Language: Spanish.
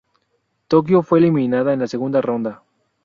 Tokio fue eliminada en la segunda ronda.